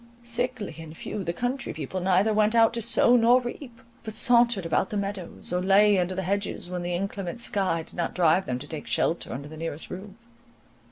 Sickly and few, the country people neither went out to sow nor reap; but sauntered about the meadows, or lay under the hedges, when the inclement sky did not drive them to take shelter under the nearest roof.